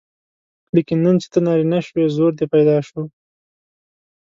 لیکن نن چې ته نارینه شوې زور دې پیدا شو.